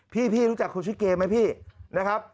พี่รู้จักคนชื่อเกมไหมพี่นะครับ